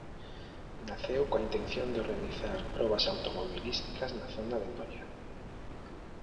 Naceu coa intención de organizar probas automobilísticas na zona de Noia.